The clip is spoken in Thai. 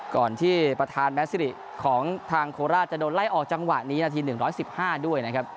ก่อนที่ประธานแมสซิริของทางโคราชจะโดนไล่ออกจังหวะนี้นาที๑๑๕ด้วยนะครับ